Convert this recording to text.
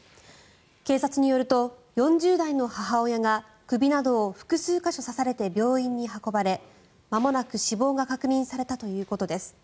警察によると４０代の母親が首などを複数箇所刺されて病院に運ばれ、まもなく死亡が確認されたということです。